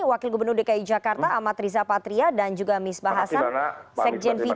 wakil gubernur dki jakarta amat riza patria dan juga miss bahasan sekjen fitra